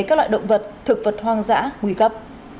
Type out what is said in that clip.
các loại động vật thực vật hoang dã nguy cấp